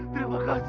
terima kasih ya allah